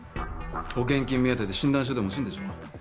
保険金目当てで診断書でも欲しいんでしょ？